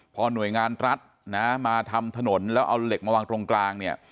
พอหน่วยงานรัฐนะมาทำถนนแล้วเอาเหล็กมาวางตรงกลางเนี่ย